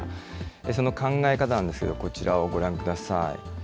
その考え方なんですけれども、こちらをご覧ください。